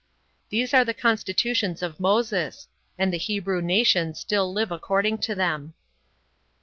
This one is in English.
These are the constitutions of Moses; and the Hebrew nation still live according to them.